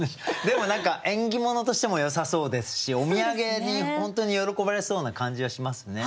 でも何か縁起物としてもよさそうですしお土産に本当に喜ばれそうな感じはしますね。